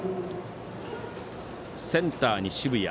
センターに渋谷。